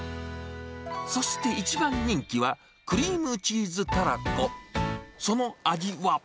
そして一番人気は、クリームチーズタラコ。